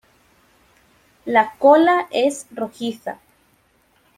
La cola es rojiza.